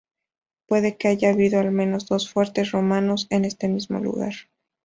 Puede que haya habido al menos dos fuertes romanos en este mismo lugar.